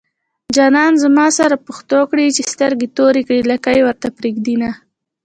جانان زما سره پښتو کړي چې سترګې توري کړي لکۍ ورته پرېږدينه